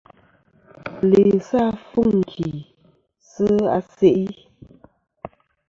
Laysɨ àfuŋ ki sɨ a se'i.